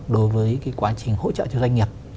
đối với quá trình hỗ trợ cho doanh nghiệp